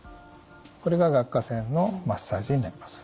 これが顎下腺のマッサージになります。